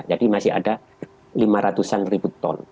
jadi masih ada lima ratus an ribu ton